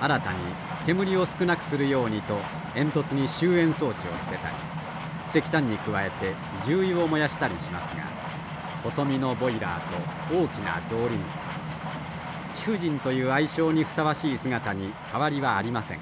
新たに煙を少なくするようにと煙突に集煙装置をつけたり石炭に加えて重油を燃やしたりしますが細身のボイラーと大きな動輪貴婦人という愛称にふさわしい姿に変わりはありません。